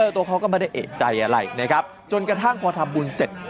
ตัวเขาก็ไม่ได้เอกใจอะไรนะครับจนกระทั่งพอทำบุญเสร็จ